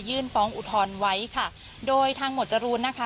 ฟ้องอุทธรณ์ไว้ค่ะโดยทางหมวดจรูนนะคะ